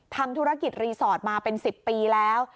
ทำธุรกิจรีสอร์ทมาเป็น๑๐ปีแล้ว